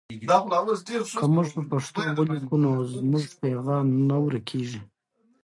که موږ په پښتو ولیکو نو زموږ پیغام نه ورکېږي.